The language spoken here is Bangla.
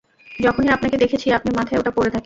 যখনই আপনাকে দেখেছি, আপনি মাথায় ওটা পরে থাকেন।